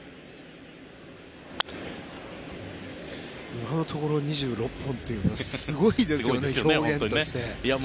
今のところ２６本というのはすごいですよね、表現として。